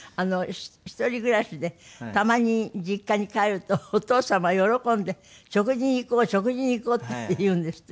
一人暮らしでたまに実家に帰るとお父様喜んで「食事に行こう食事に行こう」って言うんですって？